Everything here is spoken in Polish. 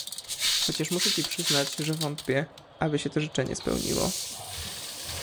"Chociaż muszę ci przyznać, że wątpię aby się to życzenie spełniło."